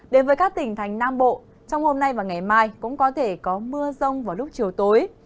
đến với các tỉnh thành nam bộ trong hôm nay và ngày mai cũng có thể có mưa rông vào lúc chiều tối